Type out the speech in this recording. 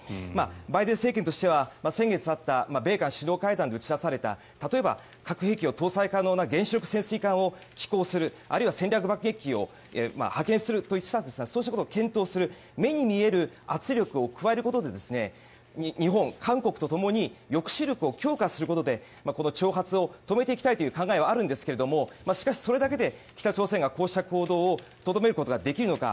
バイデン政権としては先月あった米韓首脳会談で打ち出された、例えば核兵器を搭載可能な潜水艦を寄港する、あるいは戦略爆撃機を派遣するといったそうしたこと検討する目に見える圧力を加えることで日本、韓国とともに抑止力を強化することで挑発を止めていきたいという考えはあるんですがしかし、それだけで北朝鮮がこうした行動をとどめることができるのか。